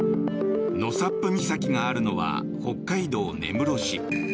納沙布岬があるのは北海道根室市。